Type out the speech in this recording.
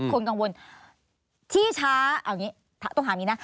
คนกังวลที่ช้าเอาอย่างนี้ต้องถามอย่างนี้นะ